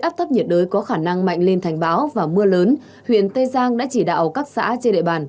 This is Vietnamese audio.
áp thấp nhiệt đới có khả năng mạnh lên thành báo và mưa lớn huyện tây giang đã chỉ đạo các xã trên